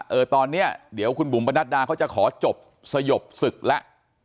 เออตอนนี้เดี๋ยวคุณบุ๋มประนัดดาเขาจะขอจบสยบศึกแล้ว